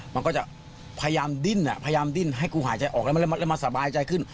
มันก็จะพยายามดิ้นให้กูหายใจออกแล้วมันเริ่มมาสบายใจขึ้น